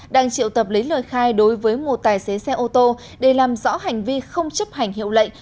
đang triệu tập lấy lời khai đối với một tài xế xe ô tô để làm rõ hành vi không chấp hành hiệu lệnh